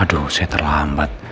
aduh saya terlambat